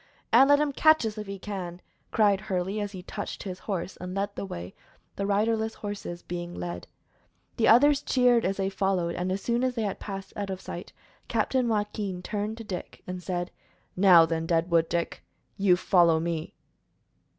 "And let him catch us if he can!" cried Hurley, as he touched his horse and led the way, the riderless horses being led. The others cheered as they followed, and as soon as they had passed out of sight, Captain Joaquin turned to Dick and said: "Now, then, Deadwood Dick, you follow me."